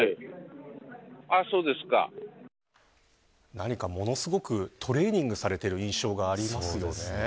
何かものすごくトレーニングされている印象がありますよね。